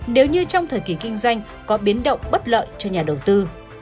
nếu như trong thời kỳ kinh doanh có biến động bất lợi cho nhà đầu tư